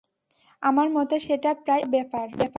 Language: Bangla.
আমার মতে সেটা প্রায় অসম্ভব ব্যাপার।